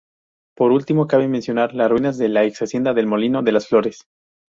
Por último, cabe mencionar las ruinas de la ex-hacienda del Molino de las Flores.